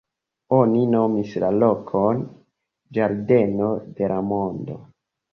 Oni nomis la lokon "Ĝardeno de la Mondo".